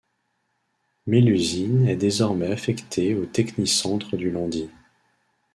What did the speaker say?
Mélusine est désormais affectée au Technicentre du Landy.